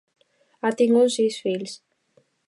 Ha tingut sis fills.